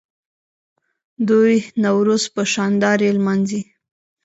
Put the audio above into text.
دوی نوروز په شاندارۍ لمانځي.